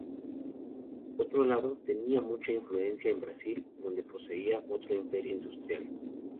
Por otro lado, tenía mucha influencia en Brasil, donde poseía otro imperio industrial.